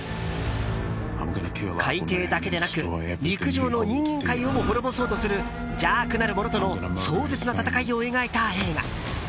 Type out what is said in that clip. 海底だけでなく陸上の人間界をも滅ぼそうとする邪悪なる者との壮絶な戦いを描いた映画。